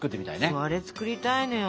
そうあれ作りたいのよ。